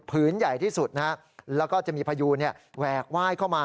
ใหญ่ที่สุดนะฮะแล้วก็จะมีพยูนแหวกไหว้เข้ามา